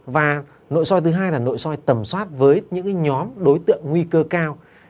và nội soi thứ hai là nội soi tẩm soát với những nhóm đối tượng nguy cơ cao